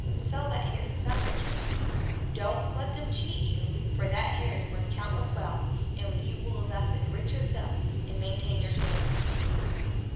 And sell that hair to some rich man; but don't let them cheat you, for that hair is worth countless wealth; and you will thus enrich yourself and maintain your children."